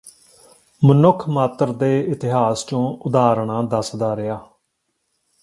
ਮਨੁੱਖਮਾਤਰ ਦੇ ਇਤਿਹਾਸ ਚੋਂ ਉਦਾਰਣਾਂ ਦੱਸਦਾ ਰਿਹਾ